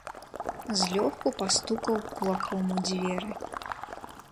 Злёгку пастукаў кулаком у дзверы.